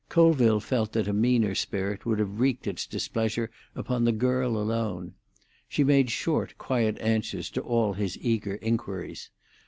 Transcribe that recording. Colville felt that a meaner spirit would have wreaked its displeasure upon the girl alone. She made short, quiet answers to all his eager inquiries.